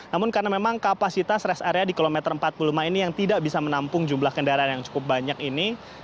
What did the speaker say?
namun karena memang kapasitas rest area di kilometer empat puluh lima ini yang tidak bisa menampung jumlah kendaraan yang cukup banyak ini